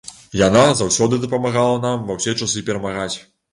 Яна заўсёды дапамагала нам ва ўсе часы перамагаць!